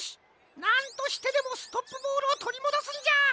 なんとしてでもストップボールをとりもどすんじゃっ！